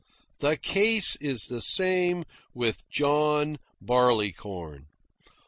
The case is the same with John Barleycorn.